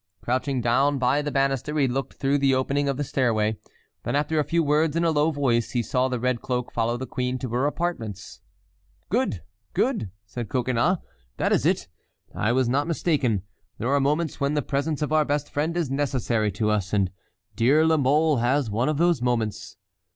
Crouching down by the banister he looked through the opening of the stairway. Then after a few words in a low voice he saw the red cloak follow the queen to her apartments. "Good! good!" said Coconnas, "that is it. I was not mistaken. There are moments when the presence of our best friend is necessary to us, and dear La Mole has one of those moments."